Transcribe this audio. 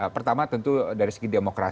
pertama tentu dari segi demokrasi